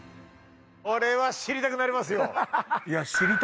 これは知りたくなりますよ